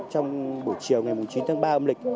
trong buổi chiều ngày chín tháng ba âm lịch